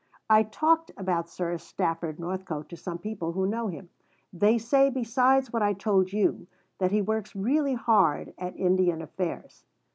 I talked about Sir Stafford Northcote to some people who know him. They say, besides what I told you, that he works really hard at Indian affairs.